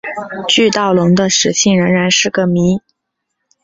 巨盗龙的食性仍然是个谜。